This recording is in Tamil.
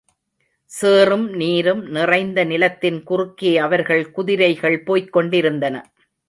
சேறும், நீரும் நிறைந்த நிலத்தின் குறுக்கே, அவர்கள் குதிரைகள் போய்க் கொண்டிருந்தன.